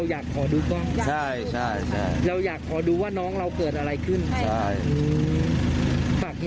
ก็อยากให้ขับรถเรียบรับรามันวันกันนิดหนึ่งนะครับ